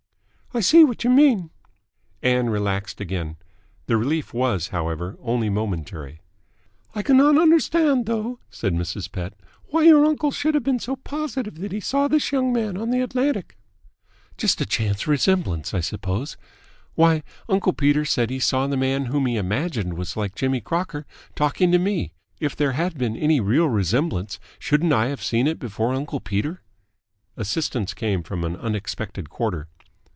"I see what you mean." Ann relaxed again. The relief was, however, only momentary. "I cannot understand, though," said Mrs. Pett, "why your uncle should have been so positive that he saw this young man on the Atlantic." "Just a chance resemblance, I suppose. Why, uncle Peter said he saw the man whom he imagined was like Jimmy Crocker talking to me. If there had been any real resemblance, shouldn't I have seen it before uncle Peter?" Assistance came from an unexpected quarter.